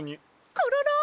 コロロ！